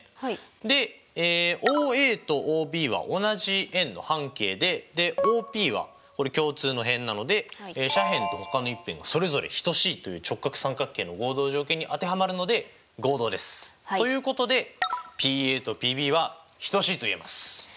でＯＡとＯＢは同じ円の半径でＯＰはこれ共通の辺なのでという直角三角形の合同条件に当てはまるので合同です。ということでＰＡとＰＢは等しいと言えます。